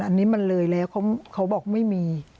อันนี้มันเลยแล้วเขาบอกไม่มี